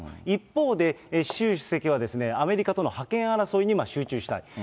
一方で、習主席はアメリカとの覇権争いに集中したい。